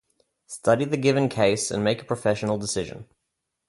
Study the given case and make a professional decision.